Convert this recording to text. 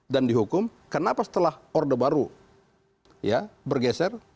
dan dihukum kenapa setelah orde baru bergeser